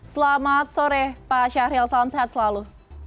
selamat sore pak syahril salam sehat selalu